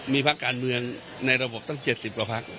มีพักการเมืองในระบบตั้ง๗๐กว่าพัก